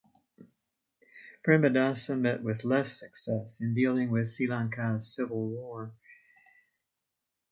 Premadasa met with less success in dealing with Sri Lanka's civil war.